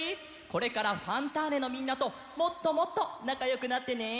これから「ファンターネ！」のみんなともっともっとなかよくなってね！